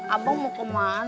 abang mau ke motor ya bang